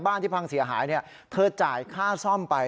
ที่พังเสียหายเธอจ่ายค่าซ่อมไป